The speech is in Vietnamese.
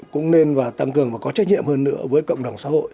cũng nên và tăng cường và có trách nhiệm hơn nữa với cộng đồng xã hội